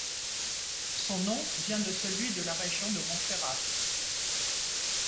Son nom vient de celui de la région de Montferrat.